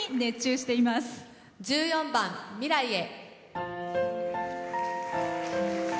１４番「未来へ」。